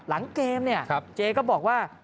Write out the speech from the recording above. หลังเกมเนี่ยเจก็บอกว่า